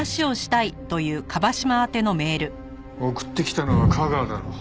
送ってきたのは架川だろう。